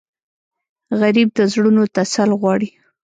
غریب د زړونو تسل غواړي